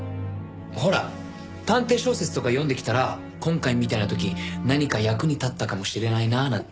ほら探偵小説とか読んできたら今回みたいな時何か役に立ったかもしれないなあなんて。